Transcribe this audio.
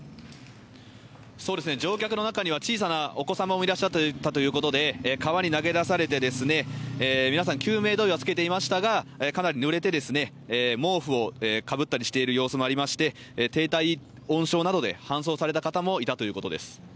乗客の中には小さなお子様もいらっしゃったということで川に投げ出されて、皆さん救命胴衣はつけていましたが、かなりぬれて、毛布をかぶったりしている様子もありまして、低体温症などで搬送された方もいたということです。